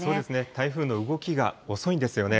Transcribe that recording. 台風の動きが遅いんですよね。